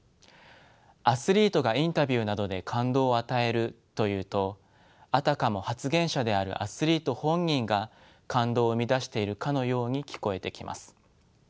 アスリートがインタビューなどで「感動を与える」と言うとあたかも発言者であるアスリート本人が感動を生み出しているかのように聞こえてきます。